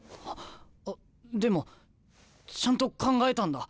あっでもちゃんと考えたんだ。